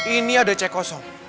ini ada cek kosong